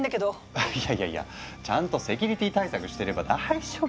あいやいやいやちゃんとセキュリティ対策してれば大丈夫。